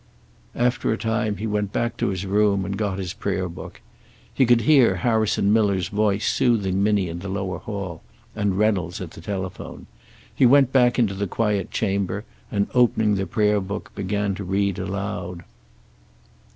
After a time he went back to his room and got his prayer book. He could hear Harrison Miller's voice soothing Minnie in the lower hall, and Reynolds at the telephone. He went back into the quiet chamber, and opening the prayer book, began to read aloud.